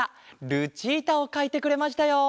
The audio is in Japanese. ルチータをかいてくれましたよ。